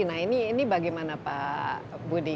nah ini bagaimana pak budi